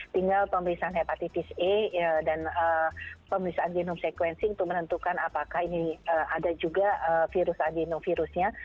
tinggal pemeriksaan hepatitis e dan pemeriksaan genome sequencing untuk menentukan apakah ini ada juga virus adenovirusnya